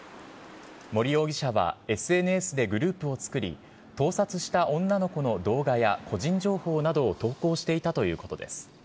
森容疑者はＳＮＳでグループを作り、盗撮した女の子の動画や個人情報などを投稿していたということです。